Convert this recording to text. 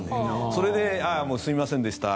それで、ああ、すみませんでした